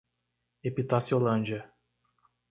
Epitaciolândia